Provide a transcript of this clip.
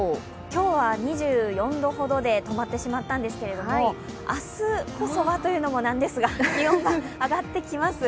今日は２４度ほどで止まってしまったんですけど明日こそはというのもなんですが、気温が上がっていきます。